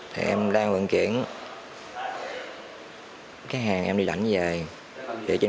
thầy em đang vận chuyển cái hàng em đi lãnh về